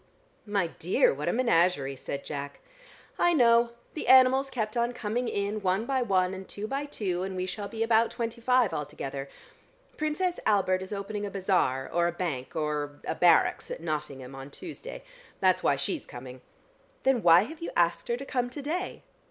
"My dear, what a menagerie," said Jack. "I know: the animals kept on coming in one by one and two by two, and we shall be about twenty five altogether. Princess Albert is opening a bazaar or a bank or a barracks at Nottingham on Tuesday, that's why she is coming!" "Then why have you asked her to come to day?"